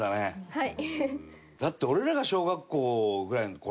はい。